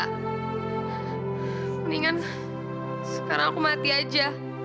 mendingan sekarang aku mati aja